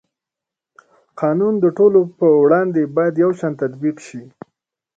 قانون د ټولو په وړاندې باید یو شان تطبیق شي.